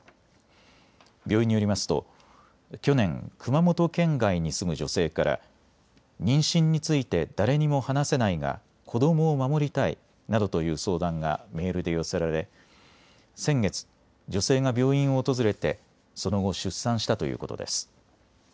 病院によりますと去年、熊本県外に住む女性から妊娠について誰にも話せないが子どもを守りたいなどという相談がメールで寄せられ先月、女性が病院を訪れてその後、出産したということです。